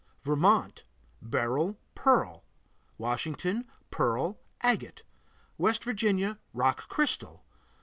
Vermont Beryl, pearl. Washington Pearl, agate. West Virginia Rock crystal.